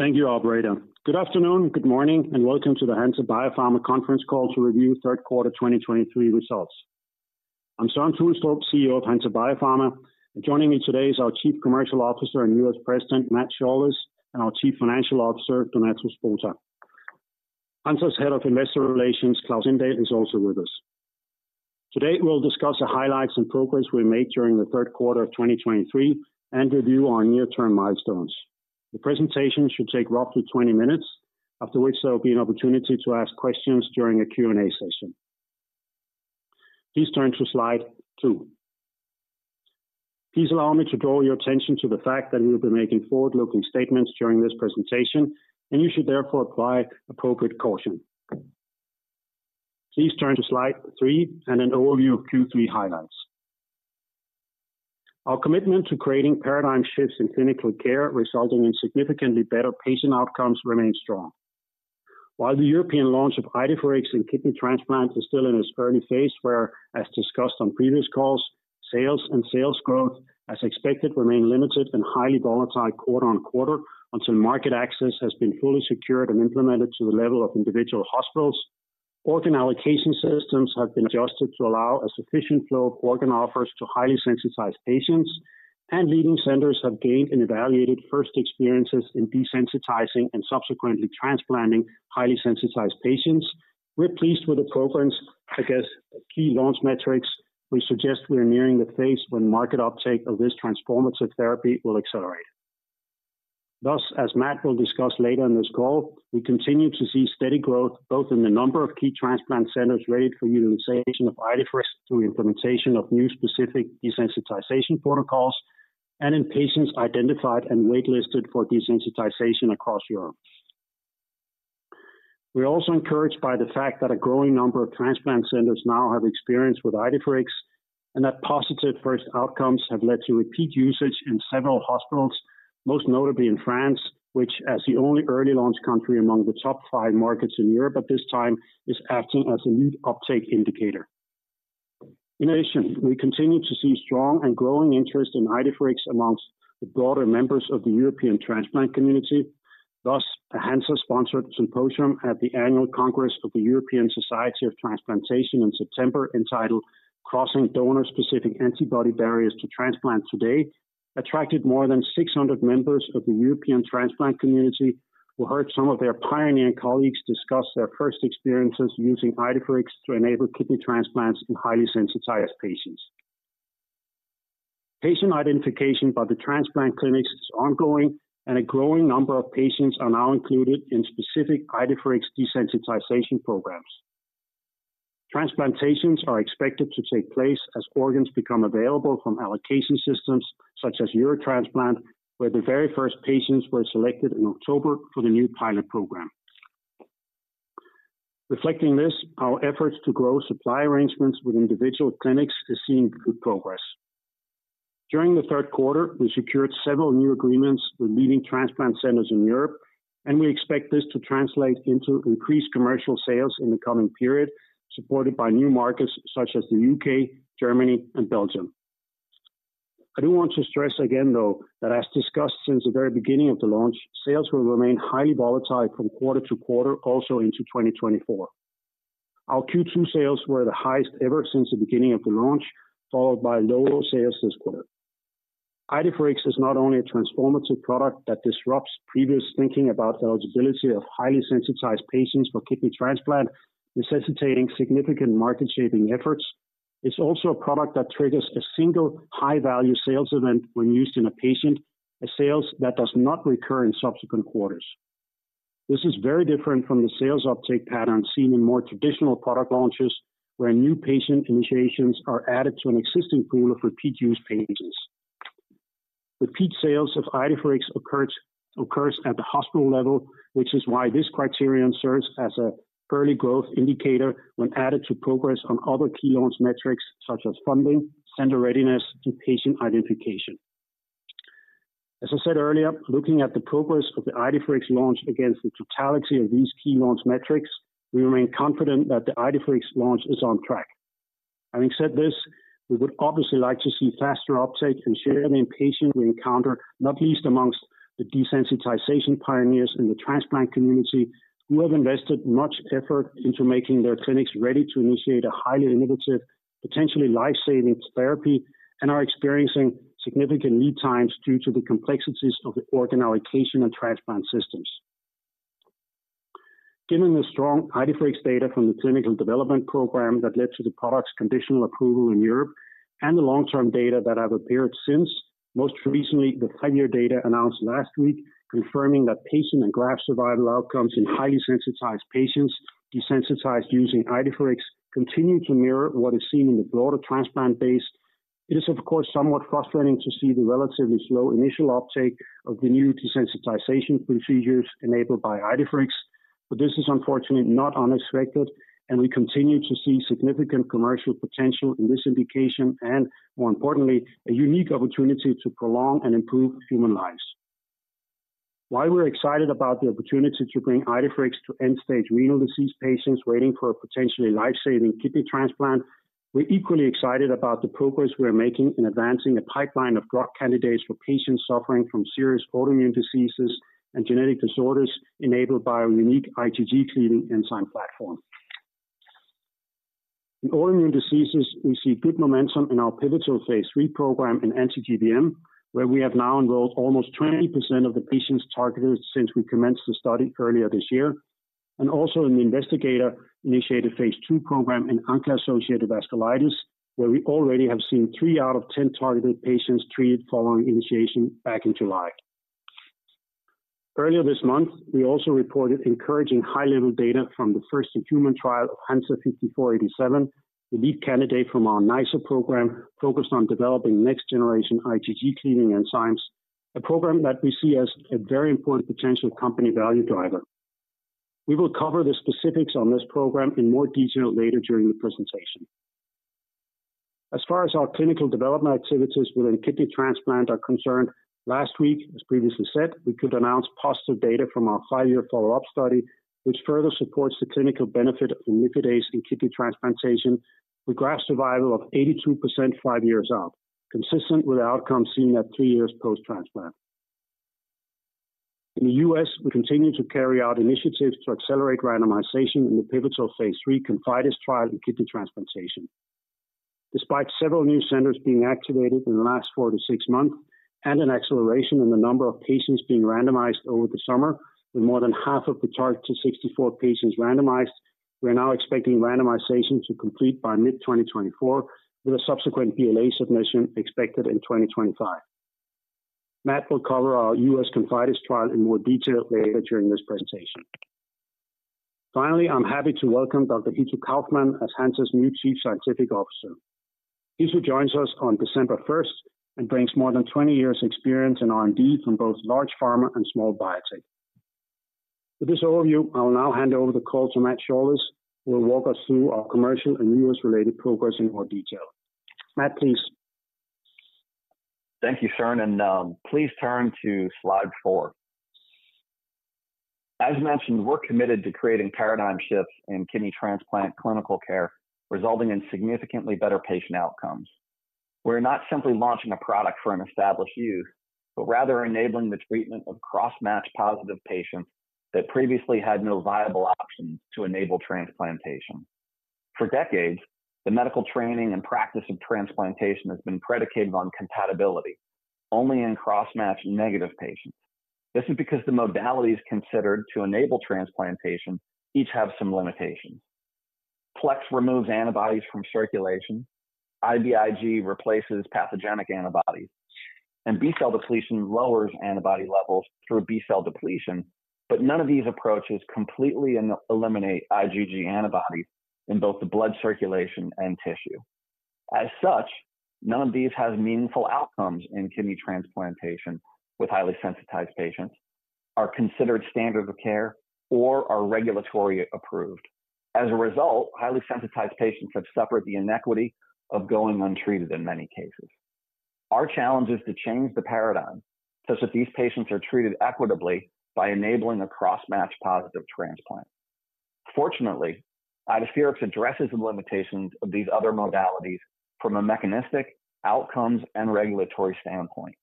Thank you, operator. Good afternoon, good morning, and welcome to the Hansa Biopharma Conference Call to review Third Quarter 2023 Results. I'm Søren Tulstrup, CEO of Hansa Biopharma, and joining me today is our Chief Commercial Officer and U.S. President, Matthew Shaulis, and our Chief Financial Officer, Donato Spota. Hansa's Head of Investor Relations, Klaus Sindahl, is also with us. Today, we'll discuss the highlights and progress we made during the third quarter of 2023, and review our near-term milestones. The presentation should take roughly 20 minutes, after which there will be an opportunity to ask questions during a Q&A session. Please turn to slide two. Please allow me to draw your attention to the fact that we will be making forward-looking statements during this presentation, and you should therefore apply appropriate caution. Please turn to slide three and an overview of Q3 highlights. Our commitment to creating paradigm shifts in clinical care, resulting in significantly better patient outcomes, remains strong. While the European launch of IDEFIRIX and kidney transplants is still in its early phase, where, as discussed on previous calls, sales and sales growth as expected, remain limited and highly volatile quarter on quarter until market access has been fully secured and implemented to the level of individual hospitals. Organ allocation systems have been adjusted to allow a sufficient flow of organ offers to highly sensitized patients, and leading centers have gained and evaluated first experiences in desensitizing and subsequently transplanting highly sensitized patients. We're pleased with the progress against key launch metrics. We suggest we are nearing the phase when market uptake of this transformative therapy will accelerate. Thus, as Matt will discuss later in this call, we continue to see steady growth, both in the number of key transplant centers ready for utilization of IDEFIRIX through implementation of new specific desensitization protocols, and in patients identified and wait-listed for desensitization across Europe. We are also encouraged by the fact that a growing number of transplant centers now have experience with IDEFIRIX, and that positive first outcomes have led to repeat usage in several hospitals, most notably in France, which, as the only early launch country among the top five markets in Europe at this time, is acting as a lead uptake indicator. In addition, we continue to see strong and growing interest in IDEFIRIX amongst the broader members of the European transplant community. Thus, a Hansa-sponsored symposium at the Annual Congress of the European Society for Organ Transplantation in September, entitled Crossing Donor-Specific Antibody Barriers to Transplant Today, attracted more than 600 members of the European transplant community, who heard some of their pioneering colleagues discuss their first experiences using IDEFIRIX to enable kidney transplants in highly sensitized patients. Patient identification by the transplant clinics is ongoing, and a growing number of patients are now included in specific IDEFIRIX desensitization programs. Transplantations are expected to take place as organs become available from allocation systems such as Eurotransplant, where the very first patients were selected in October for the new pilot program. Reflecting this, our efforts to grow supply arrangements with individual clinics is seeing good progress. During the third quarter, we secured several new agreements with leading transplant centers in Europe, and we expect this to translate into increased commercial sales in the coming period, supported by new markets such as the UK, Germany, and Belgium. I do want to stress again, though, that as discussed since the very beginning of the launch, sales will remain highly volatile from quarter to quarter, also into 2024. Our Q2 sales were the highest ever since the beginning of the launch, followed by lower sales this quarter. IDEFIRIX is not only a transformative product that disrupts previous thinking about the eligibility of highly sensitized patients for kidney transplant, necessitating significant market-shaping efforts. It's also a product that triggers a single high-value sales event when used in a patient, a sales that does not recur in subsequent quarters. This is very different from the sales uptake pattern seen in more traditional product launches, where new patient initiations are added to an existing pool of repeat-use patients. Repeat sales of IDEFIRIX occur at the hospital level, which is why this criterion serves as an early growth indicator when added to progress on other key launch metrics such as funding, center readiness, and patient identification. As I said earlier, looking at the progress of the IDEFIRIX launch against the totality of these key launch metrics, we remain confident that the IDEFIRIX launch is on track. Having said this, we would obviously like to see faster uptake and share of the inpatients we encounter, not least amongst the desensitization pioneers in the transplant community, who have invested much effort into making their clinics ready to initiate a highly innovative, potentially life-saving therapy, and are experiencing significant lead times due to the complexities of the organ allocation and transplant systems. Given the strong IDEFIRIX data from the clinical development program that led to the product's conditional approval in Europe and the long-term data that have appeared since, most recently, the five-year data announced last week, confirming that patient and graft survival outcomes in highly sensitized patients desensitized using IDEFIRIX, continue to mirror what is seen in the broader transplant base. It is, of course, somewhat frustrating to see the relatively slow initial uptake of the new desensitization procedures enabled by IDEFIRIX, but this is unfortunately not unexpected, and we continue to see significant commercial potential in this indication, and more importantly, a unique opportunity to prolong and improve human lives. While we're excited about the opportunity to bring IDEFIRIX to end-stage renal disease patients waiting for a potentially life-saving kidney transplant. We're equally excited about the progress we are making in advancing a pipeline of drug candidates for patients suffering from serious autoimmune diseases and genetic disorders, enabled by our unique IgG-cleaving enzyme platform. In autoimmune diseases, we see good momentum in our pivotal phase III program in anti-GBM, where we have now enrolled almost 20% of the patients targeted since we commenced the study earlier this year, and also in the investigator-initiated phase II program in ANCA-associated vasculitis, where we already have seen three out of 10 targeted patients treated following initiation back in July. Earlier this month, we also reported encouraging high-level data from the first-in-human trial of HNSA-5487, the lead candidate from our NiceR program, focused on developing next generation IgG-cleaving enzymes, a program that we see as a very important potential company value driver. We will cover the specifics on this program in more detail later during the presentation. As far as our clinical development activities within kidney transplant are concerned, last week, as previously said, we could announce positive data from our five-year follow-up study, which further supports the clinical benefit of Imlifidase in kidney transplantation, with graft survival of 82%, five years out, consistent with the outcomes seen at three years post-transplant. In the U.S., we continue to carry out initiatives to accelerate randomization in the pivotal phase III ConfIdeS trial in kidney transplantation. Despite several new centers being activated in the last four to six months, and an acceleration in the number of patients being randomized over the summer, with more than half of the targeted 64 patients randomized, we are now expecting randomization to complete by mid-2024, with a subsequent BLA submission expected in 2025. Matt will cover our U.S. ConfIdeS trial in more detail later during this presentation. Finally, I'm happy to welcome Dr. Hitto Kaufmann as Hansa's new Chief Scientific Officer. Hitto joins us on December 1st and brings more than 20 years' experience in R&D from both large pharma and small biotech. With this overview, I will now hand over the call to Matt Shaulis, who will walk us through our commercial and U.S.-related progress in more detail. Matt, please. Thank you, Søren, and please turn to slide four. As mentioned, we're committed to creating paradigm shifts in kidney transplant clinical care, resulting in significantly better patient outcomes. We're not simply launching a product for an established use, but rather enabling the treatment of cross-match-positive patients that previously had no viable options to enable transplantation. For decades, the medical training and practice of transplantation has been predicated on compatibility only in cross-match-negative patients. This is because the modalities considered to enable transplantation each have some limitations. PLEX removes antibodies from circulation, IVIg replaces pathogenic antibodies, and B-cell depletion lowers antibody levels through B-cell depletion, but none of these approaches completely and eliminate IgG antibodies in both the blood circulation and tissue. As such, none of these has meaningful outcomes in kidney transplantation with highly sensitized patients, are considered standard of care, or are regulatory approved. As a result, highly sensitized patients have suffered the inequity of going untreated in many cases. Our challenge is to change the paradigm such that these patients are treated equitably by enabling a cross-match-positive transplant. Fortunately, IDEFIRIX addresses the limitations of these other modalities from a mechanistic, outcomes, and regulatory standpoint.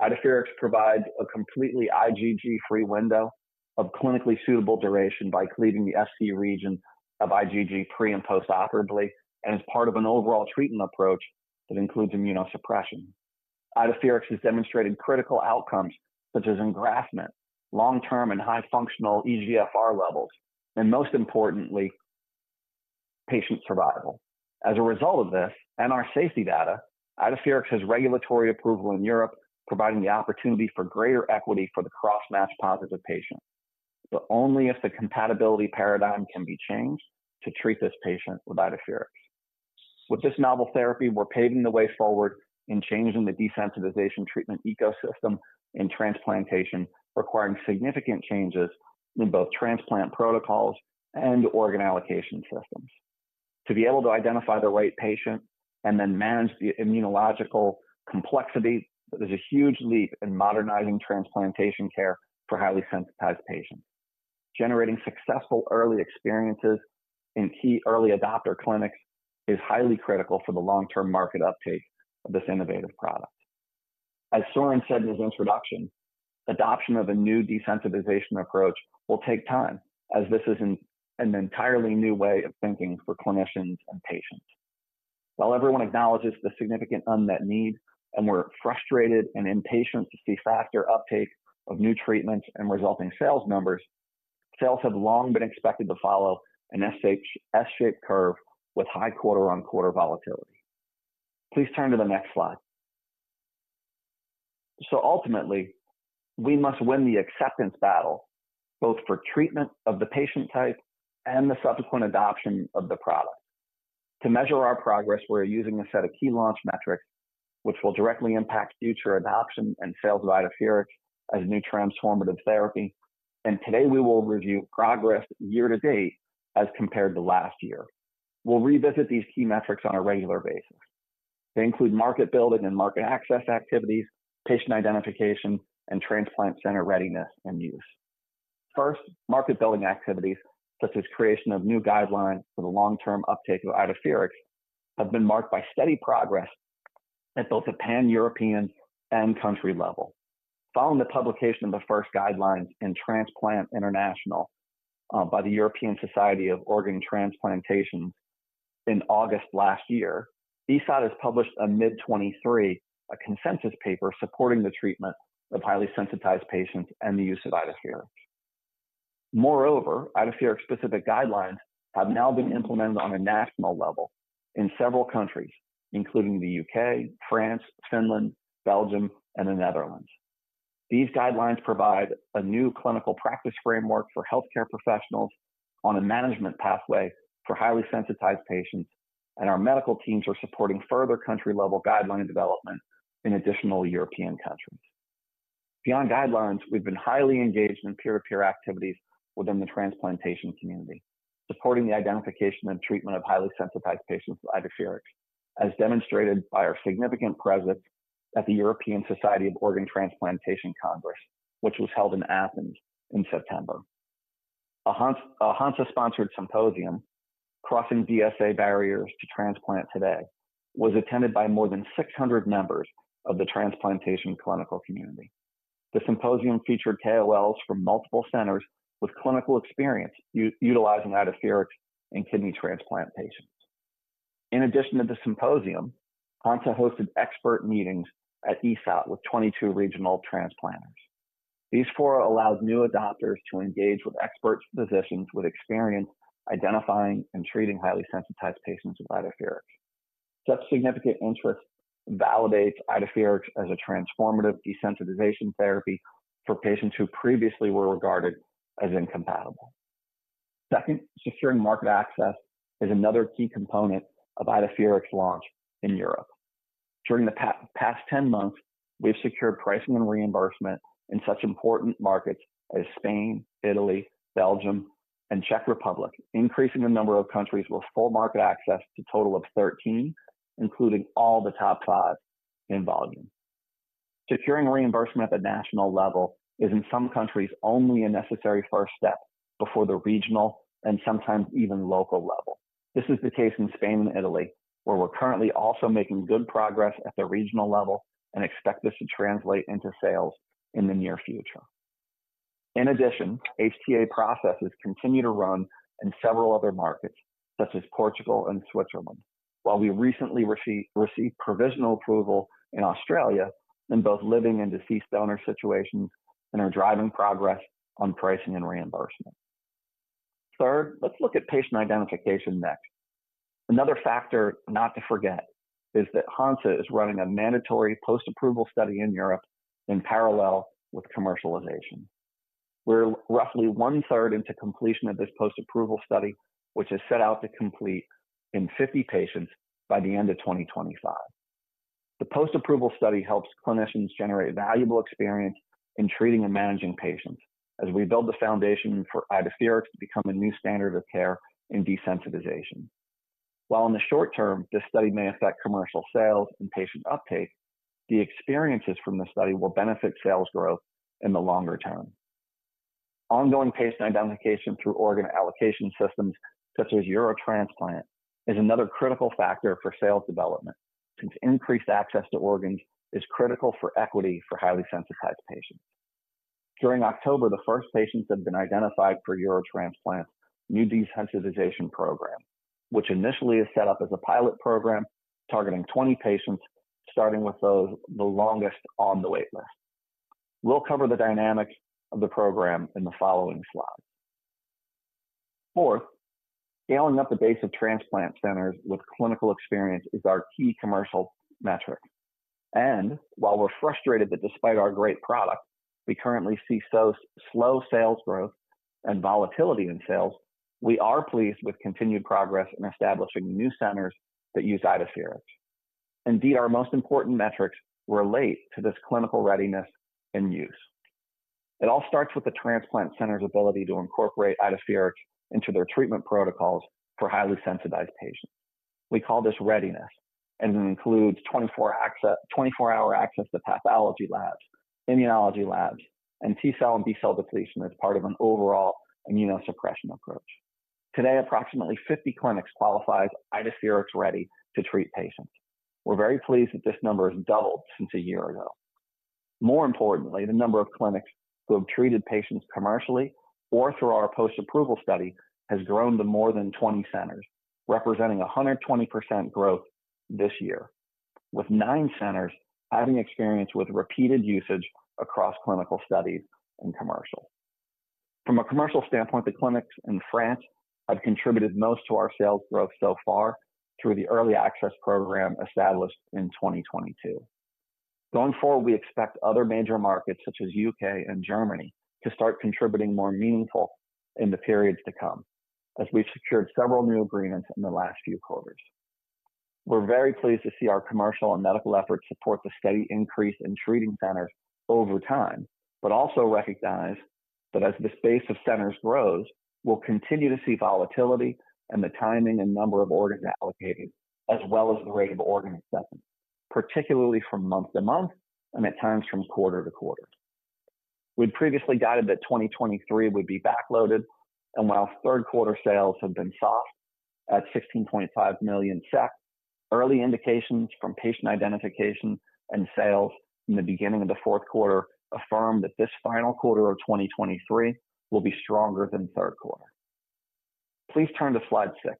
IDEFIRIX provides a completely IgG-free window of clinically suitable duration by cleaving the Fc region of IgG pre and post-operatively, and is part of an overall treatment approach that includes immunosuppression. IDEFIRIX has demonstrated critical outcomes such as engraftment, long-term and high functional eGFR levels, and most importantly, patient survival. As a result of this and our safety data, IDEFIRIX has regulatory approval in Europe, providing the opportunity for greater equity for the cross-match-positive patient, but only if the compatibility paradigm can be changed to treat this patient with IDEFIRIX. With this novel therapy, we're paving the way forward in changing the desensitization treatment ecosystem in transplantation, requiring significant changes in both transplant protocols and organ allocation systems. To be able to identify the right patient and then manage the immunological complexity, there's a huge leap in modernizing transplantation care for highly sensitized patients. Generating successful early experiences in key early adopter clinics is highly critical for the long-term market uptake of this innovative product. As Søren said in his introduction, adoption of a new desensitization approach will take time, as this is an entirely new way of thinking for clinicians and patients. While everyone acknowledges the significant unmet need, and we're frustrated and impatient to see faster uptake of new treatments and resulting sales numbers, sales have long been expected to follow an S-shaped curve with high quarter-on-quarter volatility. Please turn to the next slide. So ultimately, we must win the acceptance battle, both for treatment of the patient type and the subsequent adoption of the product. To measure our progress, we're using a set of key launch metrics, which will directly impact future adoption and sales of IDEFIRIX as a new transformative therapy, and today we will review progress year to date as compared to last year. We'll revisit these key metrics on a regular basis. They include market building and market access activities, patient identification, and transplant center readiness and use. First, market building activities, such as creation of new guidelines for the long-term uptake of IDEFIRIX, have been marked by steady progress at both a Pan-European and country level. Following the publication of the first guidelines in Transplant International by the European Society of Organ Transplantation in August last year, ESOT has published a mid-2023 consensus paper supporting the treatment of highly sensitized patients and the use of IDEFIRIX. Moreover, IDEFIRIX-specific guidelines have now been implemented on a national level in several countries, including the UK, France, Finland, Belgium, and the Netherlands. These guidelines provide a new clinical practice framework for healthcare professionals on a management pathway for highly sensitized patients, and our medical teams are supporting further country-level guideline development in additional European countries. Beyond guidelines, we've been highly engaged in peer-to-peer activities within the transplantation community, supporting the identification and treatment of highly sensitized patients with IDEFIRIX, as demonstrated by our significant presence at the European Society of Organ Transplantation Congress, which was held in Athens in September. A Hansa-sponsored symposium, Crossing DSA Barriers to Transplant Today, was attended by more than 600 members of the transplantation clinical community. The symposium featured KOLs from multiple centers with clinical experience utilizing IDEFIRIX in kidney transplant patients. In addition to the symposium, Hansa hosted expert meetings at ESOT with 22 regional transplanters. These fora allows new adopters to engage with expert physicians with experience identifying and treating highly sensitized patients with IDEFIRIX. Such significant interest validates IDEFIRIX as a transformative desensitization therapy for patients who previously were regarded as incompatible. Second, securing market access is another key component of IDEFIRIX launch in Europe. During the past 10 months, we've secured pricing and reimbursement in such important markets as Spain, Italy, Belgium, and Czech Republic, increasing the number of countries with full market access to a total of 13, including all the top five in volume. Securing reimbursement at the national level is, in some countries, only a necessary first step before the regional and sometimes even local level. This is the case in Spain and Italy, where we're currently also making good progress at the regional level and expect this to translate into sales in the near future. In addition, HTA processes continue to run in several other markets, such as Portugal and Switzerland, while we recently received provisional approval in Australia in both living and deceased donor situations and are driving progress on pricing and reimbursement. Third, let's look at patient identification next. Another factor not to forget is that Hansa is running a mandatory post-approval study in Europe in parallel with commercialization. We're roughly one-third into completion of this post-approval study, which is set out to complete in 50 patients by the end of 2025. The post-approval study helps clinicians generate valuable experience in treating and managing patients as we build the foundation for IDEFIRIX to become a new standard of care in desensitization. While in the short term, this study may affect commercial sales and patient uptake, the experiences from the study will benefit sales growth in the longer term. Ongoing patient identification through organ allocation systems, such as Eurotransplant, is another critical factor for sales development, since increased access to organs is critical for equity for highly sensitized patients. During October 1st patients have been identified for Eurotransplant's new desensitization program, which initially is set up as a pilot program targeting 20 patients, starting with those the longest on the wait list. We'll cover the dynamics of the program in the following slide. Fourth, scaling up the base of transplant centers with clinical experience is our key commercial metric, and while we're frustrated that despite our great product, we currently see so slow sales growth and volatility in sales, we are pleased with continued progress in establishing new centers that use IDEFIRIX. Indeed, our most important metrics relate to this clinical readiness and use. It all starts with the transplant center's ability to incorporate IDEFIRIX into their treatment protocols for highly sensitized patients. We call this readiness, and it includes 24-hour access to pathology labs, immunology labs, and T cell and B cell depletion as part of an overall immunosuppression approach. Today, approximately 50 clinics qualify as IDEFIRIX-ready to treat patients. We're very pleased that this number has doubled since a year ago. More importantly, the number of clinics who have treated patients commercially or through our post-approval study has grown to more than 20 centers, representing 120% growth this year, with nine centers having experience with repeated usage across clinical studies and commercial. From a commercial standpoint, the clinics in France have contributed most to our sales growth so far through the early access program established in 2022. Going forward, we expect other major markets, such as U.K. and Germany, to start contributing more meaningful in the periods to come, as we've secured several new agreements in the last few quarters. We're very pleased to see our commercial and medical efforts support the steady increase in treating centers over time, but also recognize that as the space of centers grows, we'll continue to see volatility in the timing and number of organs allocated, as well as the rate of organ acceptance... particularly from month to month, and at times from quarter to quarter. We'd previously guided that 2023 would be backloaded, and while third quarter sales have been soft at 16.5 million SEK, early indications from patient identification and sales in the beginning of the fourth quarter affirm that this final quarter of 2023 will be stronger than the third quarter. Please turn to slide six.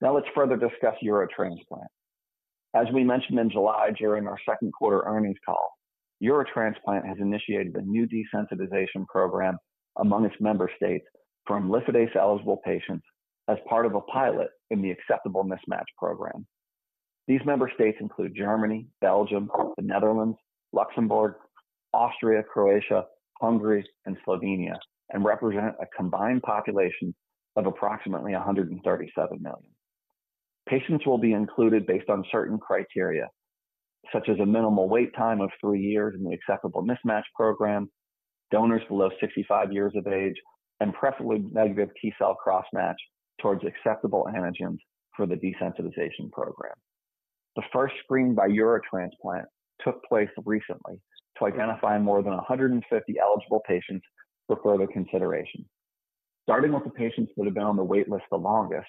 Now let's further discuss Eurotransplant. As we mentioned in July during our second quarter earnings call, Eurotransplant has initiated a new desensitization program among its member states for imlifidase-eligible patients as part of a pilot in the Acceptable Mismatch program. These member states include Germany, Belgium, the Netherlands, Luxembourg, Austria, Croatia, Hungary, and Slovenia, and represent a combined population of approximately 137 million. Patients will be included based on certain criteria, such as a minimal wait time of three years in the Acceptable Mismatch program, donors below 65 years of age, and preferably negative T cell crossmatch towards acceptable antigens for the desensitization program. The first screen by Eurotransplant took place recently to identify more than 150 eligible patients for further consideration. Starting with the patients that have been on the wait list the longest,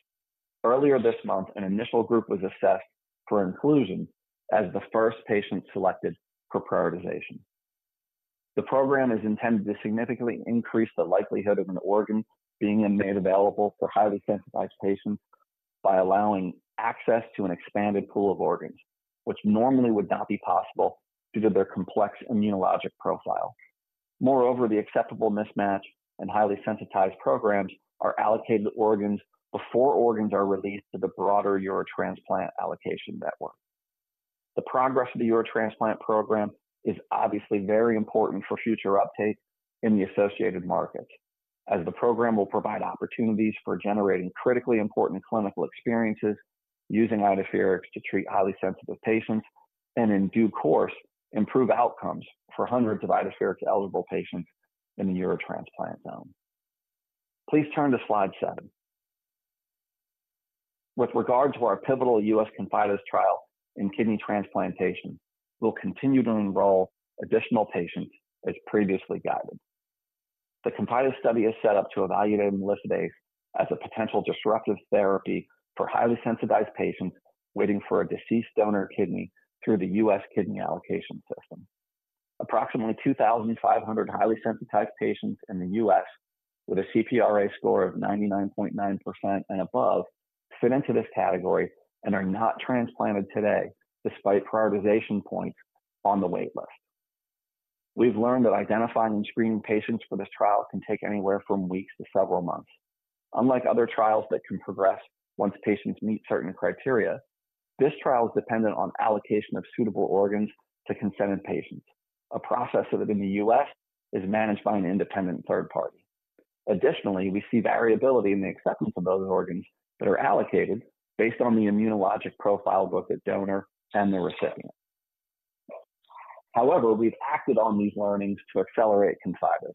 earlier this month, an initial group was assessed for inclusion as the first patient selected for prioritization. The program is intended to significantly increase the likelihood of an organ being made available for highly sensitized patients by allowing access to an expanded pool of organs, which normally would not be possible due to their complex immunologic profile. Moreover, the Acceptable Mismatch and highly sensitized programs are allocated organs before organs are released to the broader Eurotransplant allocation network. The progress of the Eurotransplant program is obviously very important for future uptake in the associated markets, as the program will provide opportunities for generating critically important clinical experiences using IDEFIRIX to treat highly sensitized patients, and in due course, improve outcomes for hundreds of IDEFIRIX-eligible patients in the Eurotransplant zone. Please turn to slide seven. With regard to our pivotal U.S. ConfIdeS trial in kidney transplantation, we'll continue to enroll additional patients as previously guided. The ConfIdeS study is set up to evaluate imlifidase as a potential disruptive therapy for highly sensitized patients waiting for a deceased donor kidney through the U.S. Kidney Allocation System. Approximately 2,500 highly sensitized patients in the U.S., with a CPRA score of 99.9% and above, fit into this category and are not transplanted today, despite prioritization points on the wait list. We've learned that identifying and screening patients for this trial can take anywhere from weeks to several months. Unlike other trials that can progress once patients meet certain criteria, this trial is dependent on allocation of suitable organs to consented patients, a process that in the U.S. is managed by an independent third party. Additionally, we see variability in the acceptance of those organs that are allocated based on the immunologic profile of both the donor and the recipient. However, we've acted on these learnings to accelerate ConfIdeS.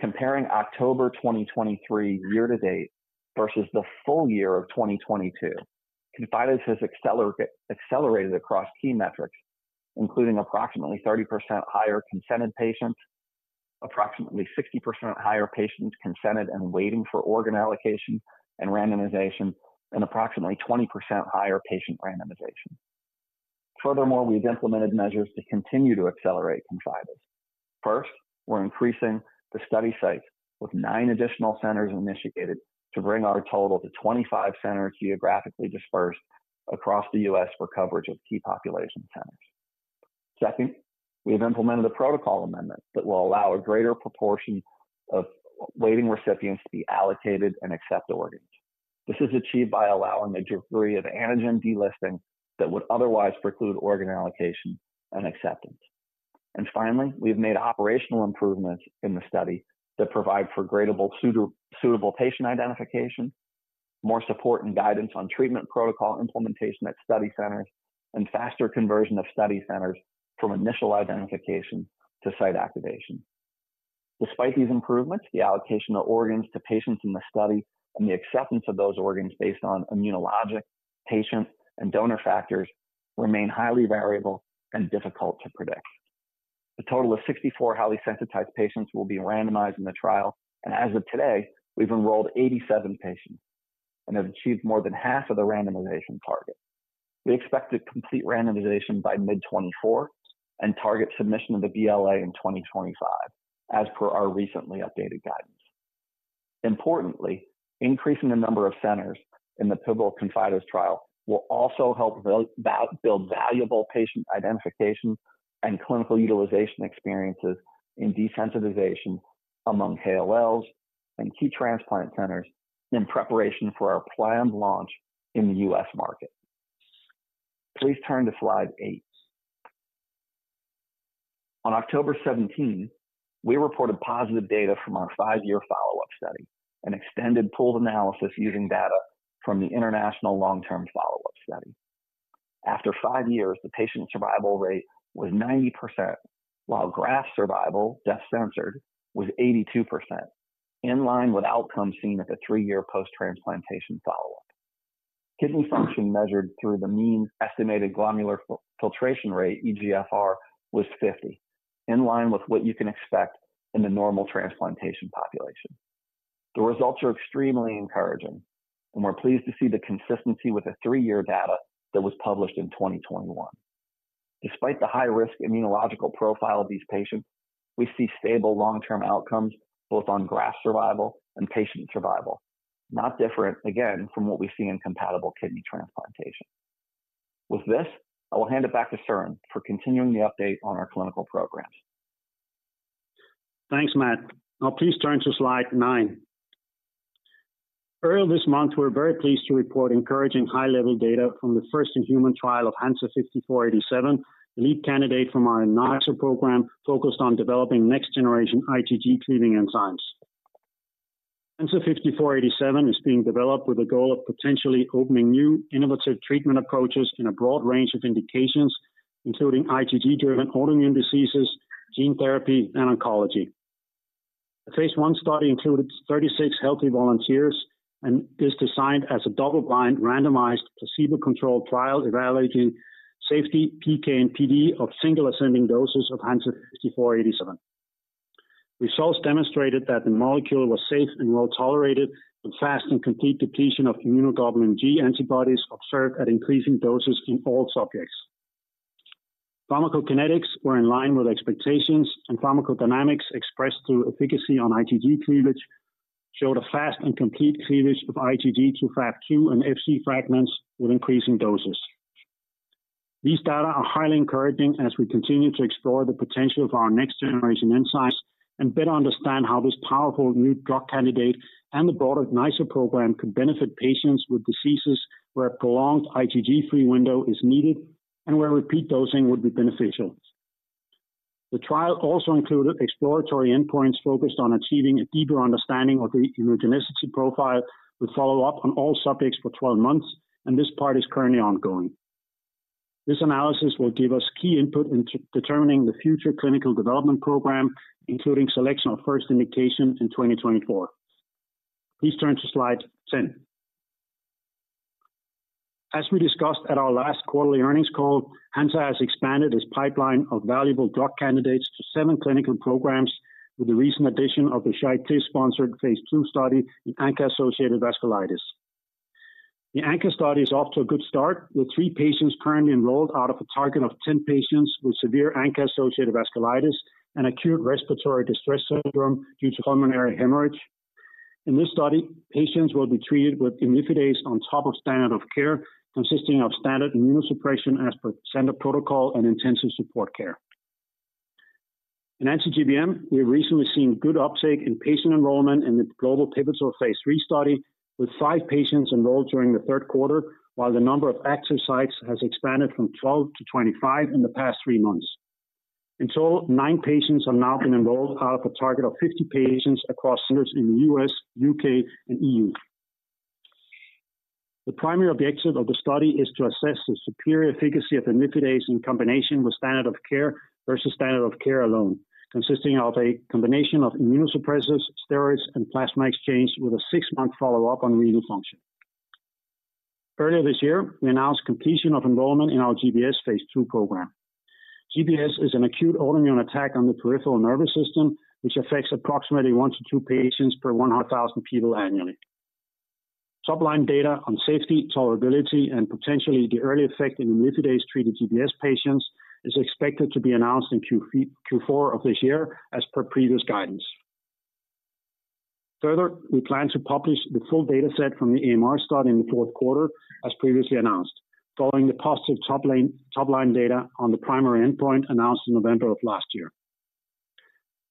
Comparing October 2023 year to date versus the full year of 2022, ConfIdeS has accelerated across key metrics, including approximately 30% higher consented patients, approximately 60% higher patients consented and waiting for organ allocation and randomization, and approximately 20% higher patient randomization. Furthermore, we've implemented measures to continue to accelerate ConfIdeS. First, we're increasing the study sites, with nine additional centers initiated to bring our total to 25 centers geographically dispersed across the US for coverage of key population centers. Second, we have implemented a protocol amendment that will allow a greater proportion of waiting recipients to be allocated and accept organs. This is achieved by allowing the deferral of antigen delisting that would otherwise preclude organ allocation and acceptance. Finally, we've made operational improvements in the study that provide for reliable suitable patient identification, more support and guidance on treatment protocol implementation at study centers, and faster conversion of study centers from initial identification to site activation. Despite these improvements, the allocation of organs to patients in the study and the acceptance of those organs based on immunologic patient and donor factors remain highly variable and difficult to predict. A total of 64 highly sensitized patients will be randomized in the trial, and as of today, we've enrolled 87 patients and have achieved more than half of the randomization target. We expect to complete randomization by mid-2024 and target submission of the BLA in 2025, as per our recently updated guidance. Importantly, increasing the number of centers in the pivotal ConfIdeS trial will also help build valuable patient identification and clinical utilization experiences in desensitization among KOLs and key transplant centers in preparation for our planned launch in the U.S. market. Please turn to slide eight. On October 17, we reported positive data from our five-year follow-up study, an extended pooled analysis using data from the International Long-Term Follow-Up Study. After five years, the patient survival rate was 90%, while graft survival, death-censored, was 82% in line with outcomes seen at the three-year post-transplantation follow-up. Kidney function measured through the mean estimated glomerular filtration rate, eGFR, was 50, in line with what you can expect in the normal transplantation population. The results are extremely encouraging, and we're pleased to see the consistency with the three-year data that was published in 2021. Despite the high-risk immunological profile of these patients, we see stable long-term outcomes, both on graft survival and patient survival. Not different, again, from what we see in compatible kidney transplantation. With this, I will hand it back to Søren for continuing the update on our clinical programs. Thanks, Matt. Now please turn to slide nine. Early this month, we were very pleased to report encouraging high-level data from the first-in-human trial of HNSA-5487, the lead candidate from our NiceR program, focused on developing next-generation IgG-cleaving enzymes. HNSA-5487 is being developed with the goal of potentially opening new innovative treatment approaches in a broad range of indications, including IgG-driven autoimmune diseases, gene therapy, and oncology. The phase one study included 36 healthy volunteers and is designed as a double-blind, randomized, placebo-controlled trial evaluating safety, PK, and PD of single ascending doses of HNSA-5487. Results demonstrated that the molecule was safe and well tolerated, with fast and complete depletion of immunoglobulin G antibodies observed at increasing doses in all subjects. Pharmacokinetics were in line with expectations, and Pharmacodynamics expressed through efficacy on IgG-cleavage, showed a fast and complete cleavage of IgG to F(ab')2 and Fc fragments with increasing doses. These data are highly encouraging as we continue to explore the potential of our next-generation insights, and better understand how this powerful new drug candidate and the broader NiceR program could benefit patients with diseases where a prolonged IgG-free window is needed, and where repeat dosing would be beneficial. The trial also included exploratory endpoints focused on achieving a deeper understanding of the immunogenicity profile, with follow-up on all subjects for 12 months, and this part is currently ongoing. This analysis will give us key input into determining the future clinical development program, including selection of first indication in 2024. Please turn to slide 10. As we discussed at our last quarterly earnings call, Hansa has expanded its pipeline of valuable drug candidates to seven clinical programs, with the recent addition of the Charité sponsored phase II study in ANCA-associated vasculitis. The ANCA study is off to a good start, with three patients currently enrolled out of a target of 10 patients with severe ANCA-associated vasculitis and acute respiratory distress syndrome due to pulmonary hemorrhage. In this study, patients will be treated with imlifidase on top of standard of care, consisting of standard immunosuppression as per standard protocol and intensive support care. In anti-GBM, we have recently seen good uptake in patient enrollment in the global pivotal phase three study, with five patients enrolled during the third quarter, while the number of active sites has expanded from 12 to 25 in the past three months. In total, nine patients have now been enrolled out of a target of 50 patients across centers in the U.S., U.K., and E.U. The primary objective of the study is to assess the superior efficacy of imlifidase in combination with standard of care, versus standard of care alone, consisting of a combination of immunosuppressants, steroids, and plasma exchange, with a six month follow-up on renal function. Earlier this year, we announced completion of enrollment in our GBS phase II program. GBS is an acute autoimmune attack on the peripheral nervous system, which affects approximately one to two patients per 100,000 people annually. Top-line data on safety, tolerability, and potentially the early effect in imlifidase-treated GBS patients is expected to be announced in Q3-Q4 of this year, as per previous guidance. Further, we plan to publish the full data set from the AMR study in the fourth quarter, as previously announced, following the positive top-line data on the primary endpoint announced in November of last year.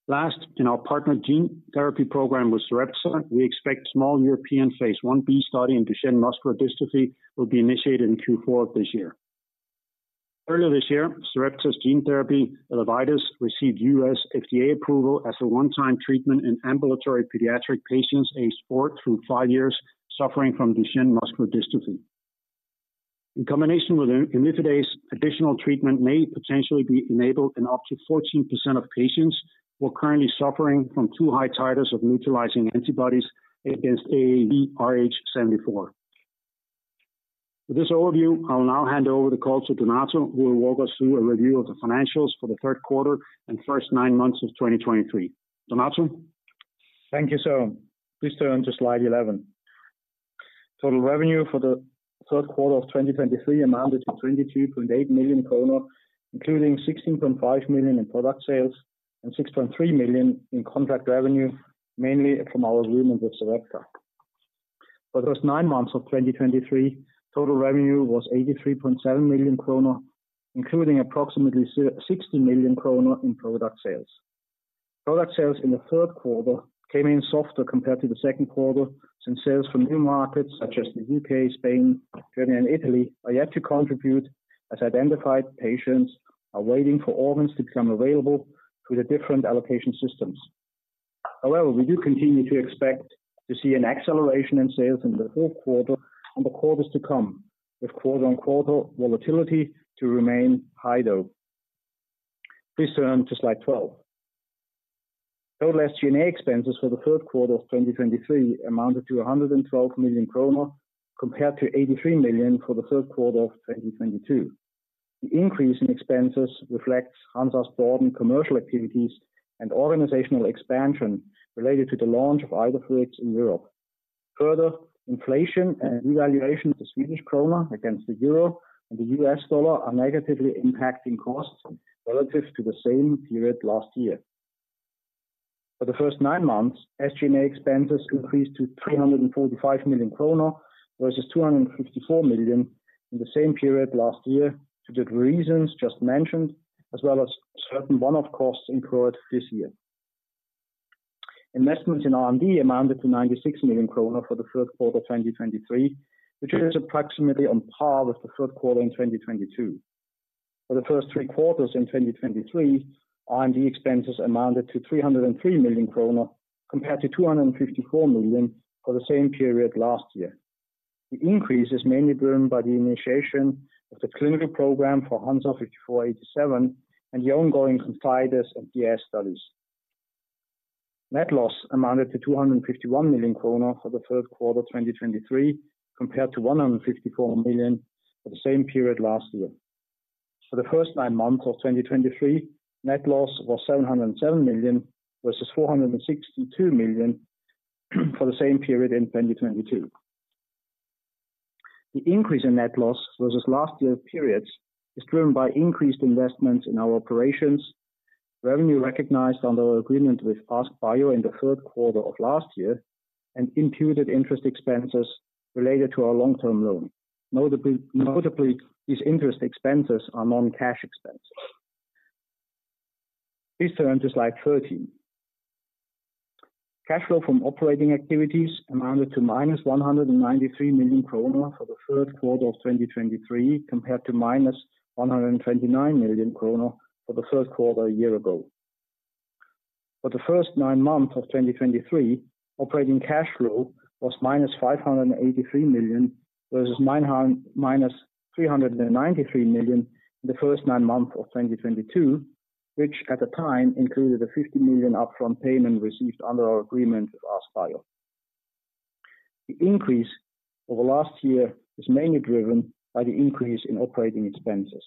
Last, in our partner gene therapy program with Sarepta, we expect a small European phase IB study in Duchenne muscular dystrophy will be initiated in Q4 of this year. Earlier this year, Sarepta's gene therapy, ELEVIDYS, received U.S. FDA approval as a one-time treatment in ambulatory pediatric patients, aged four through five years, suffering from Duchenne muscular dystrophy. In combination with imlifidase, additional treatment may potentially be enabled in up to 14% of patients who are currently suffering from too high titers of neutralizing antibodies against AAVrh74. With this overview, I will now hand over the call to Donato, who will walk us through a review of the financials for the third quarter and first nine months of 2023. Donato? Thank you, Søren. Please turn to slide 11. Total revenue for the third quarter of 2023 amounted to 22.8 million kronor, including 16.5 million in product sales and 6.3 million in contract revenue, mainly from our agreement with Sarepta. For the nine months of 2023, total revenue was 83.7 million kronor, including approximately 60 million kronor in product sales. Product sales in the third quarter came in softer compared to the second quarter, since sales from new markets such as the UK, Spain, Germany, and Italy, are yet to contribute, as identified patients are waiting for organs to become available through the different allocation systems. However, we do continue to expect to see an acceleration in sales in the fourth quarter and the quarters to come, with quarter-on-quarter volatility to remain high, though. Please turn to slide 12. Total SG&A expenses for the third quarter of 2023 amounted to 112 million kronor, compared to 83 million for the third quarter of 2022. The increase in expenses reflects Hansa's broad and commercial activities and organizational expansion related to the launch of IDEFIRIX in Europe. Further, inflation and revaluation of the Swedish krona against the euro and the US dollar are negatively impacting costs relative to the same period last year. For the first nine months, SG&A expenses increased to 345 million kronor, versus 254 million in the same period last year, to the reasons just mentioned, as well as certain one-off costs incurred this year. Investments in R&D amounted to 96 million kronor for the third quarter of 2023, which is approximately on par with the third quarter in 2022. For the first three quarters in 2023, R&D expenses amounted to 303 million kronor, compared to 254 million for the same period last year. The increase is mainly driven by the initiation of the clinical program for HNSA-5487 and the ongoing ConfIdeS and DSA studies. Net loss amounted to 251 million kronor for the third quarter of 2023, compared to 154 million for the same period last year. For the first nine months of 2023, net loss was 707 million versus 462 million for the same period in 2022. The increase in net loss versus last year periods is driven by increased investments in our operations, revenue recognized under our agreement with AskBio in the third quarter of last year, and imputed interest expenses related to our long-term loan. Notably, these interest expenses are non-cash expenses. Please turn to slide 13. Cash flow from operating activities amounted to -193 million kronor for the third quarter of 2023, compared to -129 million kronor for the third quarter a year ago. For the first nine months of 2023, operating cash flow was -583 million, versus -393 million in the first nine months of 2022, which at the time included a 50 million upfront payment received under our agreement with AskBio. The increase over last year is mainly driven by the increase in operating expenses.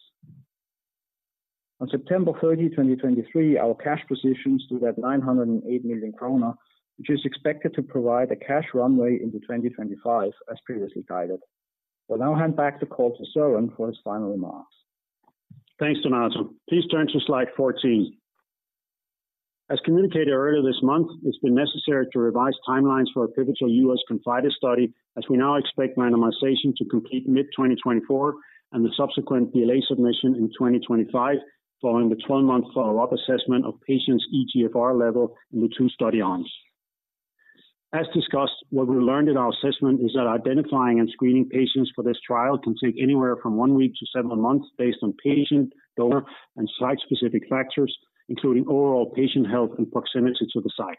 On September 30, 2023, our cash positions stood at 908 million kronor, which is expected to provide a cash runway into 2025, as previously guided. We'll now hand back the call to Søren for his final remarks. Thanks, Donato. Please turn to slide 14. As communicated earlier this month, it's been necessary to revise timelines for our pivotal U.S. ConfIdeS study, as we now expect randomization to complete mid-2024 and the subsequent BLA submission in 2025, following the 12-month follow-up assessment of patients' eGFR level in the two study arms. As discussed, what we learned in our assessment is that identifying and screening patients for this trial can take anywhere from one week to seven months, based on patient, donor, and site-specific factors, including overall patient health and proximity to the site.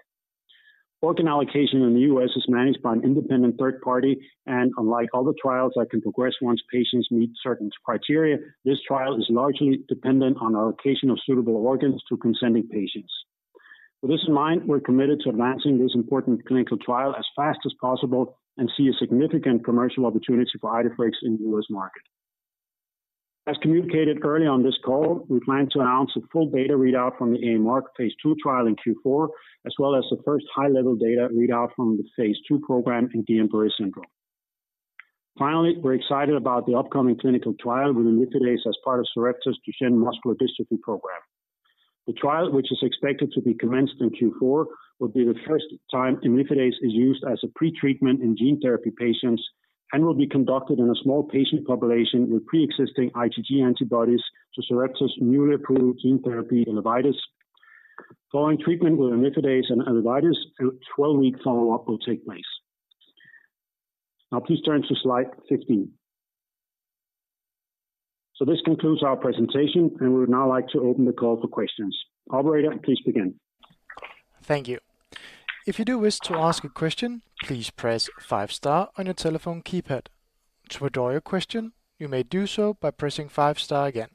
Organ allocation in the U.S. is managed by an independent third party, and unlike other trials that can progress once patients meet certain criteria, this trial is largely dependent on allocation of suitable organs to consenting patients. With this in mind, we're committed to advancing this important clinical trial as fast as possible and see a significant commercial opportunity for IDEFIRIX in the U.S. market. As communicated early on this call, we plan to announce a full beta readout from the AMR phase II trial in Q4, as well as the first high-level data readout from the phase II program in Duchenne muscular dystrophy. Finally, we're excited about the upcoming clinical trial with imlifidase as part of Sarepta's Duchenne muscular dystrophy program. The trial, which is expected to be commenced in Q4, will be the first time imlifidase is used as a pre-treatment in gene therapy patients and will be conducted in a small patient population with preexisting IgG antibodies to Sarepta's newly approved gene therapy, ELEVIDYS. Following treatment with imlifidase and ELEVIDYS, a 12-week follow-up will take place. Now please turn to slide 15. This concludes our presentation, and we would now like to open the call for questions. Operator, please begin. Thank you. If you do wish to ask a question, please press five star on your telephone keypad. To withdraw your question, you may do so by pressing five star again.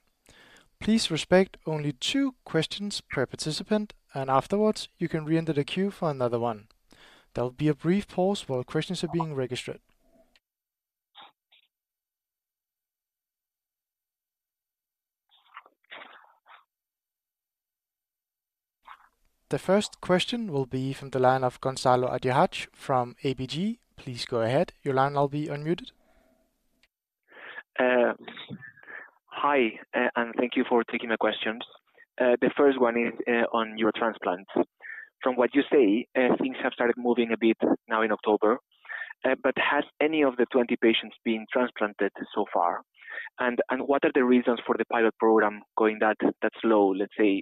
Please respect only two questions per participant, and afterwards, you can reenter the queue for another one. There will be a brief pause while questions are being registered. The first question will be from the line of Gonzalo Artiach from ABG. Please go ahead. Your line will be unmuted. Hi, and thank you for taking my questions. The first one is on your transplants. From what you say, things have started moving a bit now in October, but has any of the 20 patients been transplanted so far? And what are the reasons for the pilot program going that slow, let's say,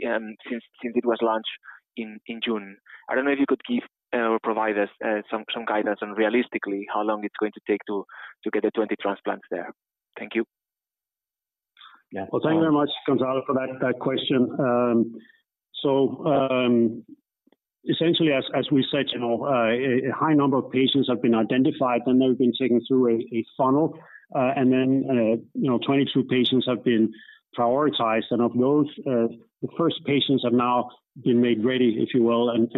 since it was launched in June? I don't know if you could give or provide us some guidance on realistically how long it's going to take to get the 20 transplants there. Thank you. Yeah. Well, thank you very much, Gonzalo, for that question. So, essentially, as we said, you know, a high number of patients have been identified, and they've been taken through a funnel. And then, you know, 22 patients have been prioritized, and of those, the first patients have now been made ready, if you will, and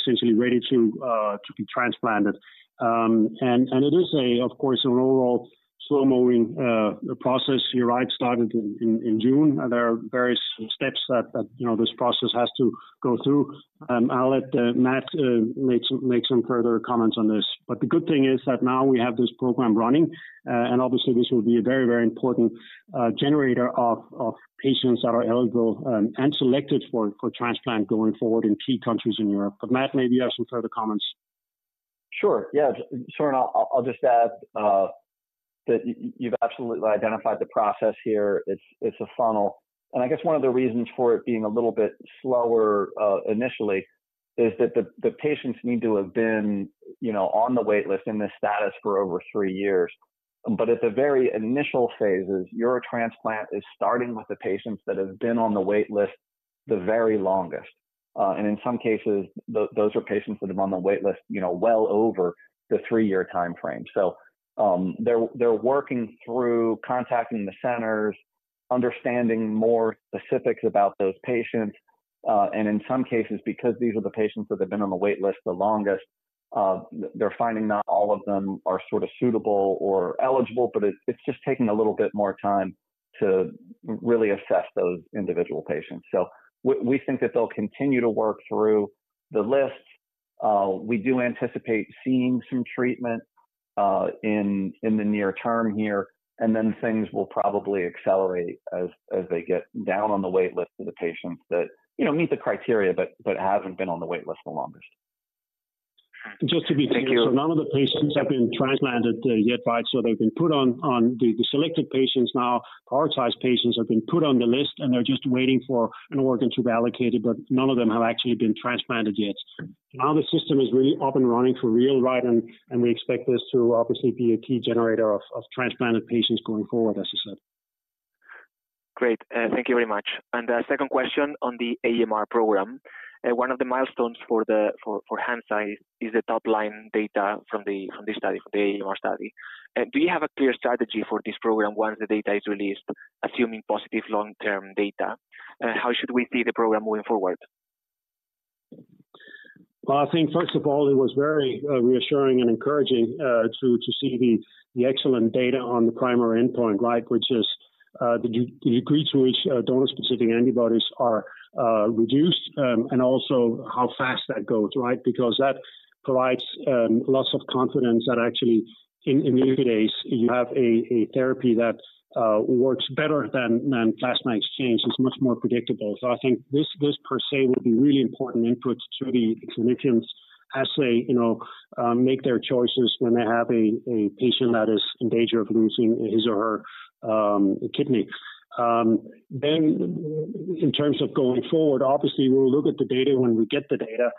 essentially ready to be transplanted. And it is, of course, an overall slow-moving process here, right? Started in June. There are various steps that, you know, this process has to go through. I'll let Matt make some further comments on this. But the good thing is that now we have this program running, and obviously, this will be a very, very important generator of patients that are eligible and selected for transplant going forward in key countries in Europe. But, Matt, maybe you have some further comments. Sure. Yes, Søren, I'll just add that you've absolutely identified the process here. It's a funnel, and I guess one of the reasons for it being a little bit slower initially is that the patients need to have been, you know, on the wait list in this status for over three years. But at the very initial phases, Eurotransplant is starting with the patients that have been on the wait list the very longest. And in some cases, those are patients that have on the wait list, you know, well over the three-year timeframe. So, they're working through contacting the centers, understanding more specifics about those patients. And in some cases, because these are the patients that have been on the wait list the longest, they're finding not all of them are sort of suitable or eligible, but it's just taking a little bit more time to really assess those individual patients. So we think that they'll continue to work through the list. We do anticipate seeing some treatment in the near term here, and then things will probably accelerate as they get down on the wait list of the patients that, you know, meet the criteria but haven't been on the wait list the longest. Just to be clear- Thank you. So none of the patients have been transplanted yet, right? So they've been put on the list. The selected patients now, prioritized patients, have been put on the list, and they're just waiting for an organ to be allocated, but none of them have actually been transplanted yet. Now, the system is really up and running for real, right? We expect this to obviously be a key generator of transplanted patients going forward, as you said. Great, thank you very much. And the second question on the AMR program. One of the milestones for Hansa is the top-line data from the AMR study. Do you have a clear strategy for this program once the data is released, assuming positive long-term data? How should we see the program moving forward? Well, I think, first of all, it was very reassuring and encouraging to see the excellent data on the primary endpoint, right? Which is the degree to which donor-specific antibodies are reduced and also how fast that goes, right? Because that provides lots of confidence that actually in the days you have a therapy that works better than plasma exchange. It's much more predictable. So I think this per se will be really important inputs to the clinicians as they you know make their choices when they have a patient that is in danger of losing his or her kidney. Then in terms of going forward, obviously, we'll look at the data when we get the data.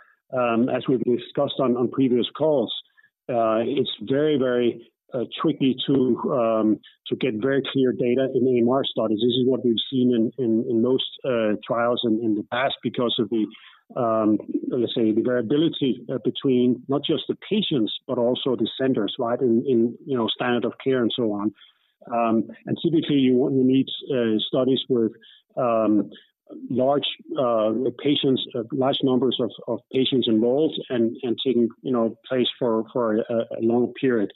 As we've discussed on previous calls, it's very, very tricky to get very clear data in AMR studies. This is what we've seen in most trials in the past because of the, let's say, the variability between not just the patients, but also the centers, right, in, you know, standard of care and so on. And typically, you need studies with large numbers of patients enrolled and taking place for a long period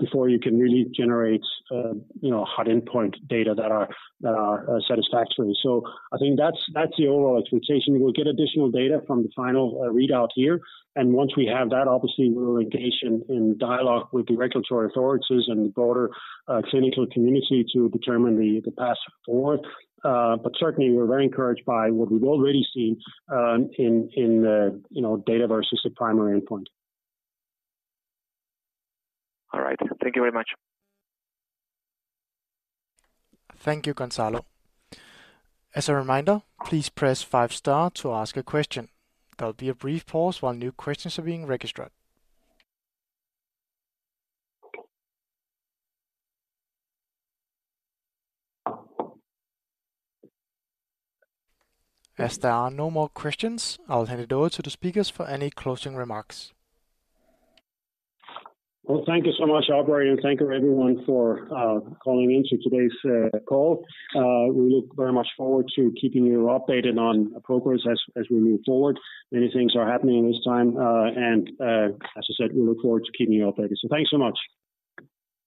before you can really generate hard endpoint data that are satisfactory. So I think that's the overall expectation. We'll get additional data from the final readout here, and once we have that, obviously, we're engaged in dialogue with the regulatory authorities and the broader clinical community to determine the path forward. But certainly, we're very encouraged by what we've already seen in the, you know, data versus the primary endpoint. All right. Thank you very much. Thank you, Gonzalo. As a reminder, please press five star to ask a question. There'll be a brief pause while new questions are being registered. As there are no more questions, I'll hand it over to the speakers for any closing remarks. Well, thank you so much, operator, and thank you, everyone, for calling in to today's call. We look very much forward to keeping you updated on progress as we move forward. Many things are happening in this time, and as I said, we look forward to keeping you updated. So thanks so much.